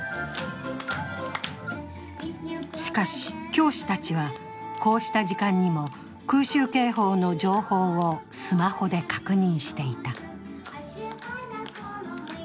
しかし、教師たちはこうした時間にも空襲警報の情報をスマホで確認していた。